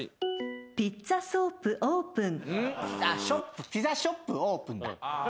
ピッツアソープオープン。